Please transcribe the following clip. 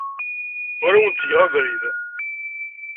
Ur awen-ttgeɣ abrid.